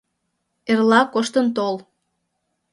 Эрла коштын тол.